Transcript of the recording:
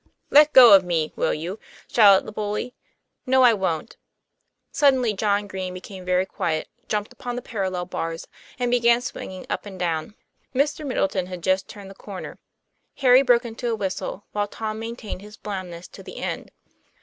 'Let go of me, will you?" shouted the bully. "No; I wont." Suddenly John Green became very quiet, jumped upon the parallel bars, and began swinging up and down; Mr. Middleton had just turned the corner. Harry broke into a whistle, while Tom maintained his blandness to the end.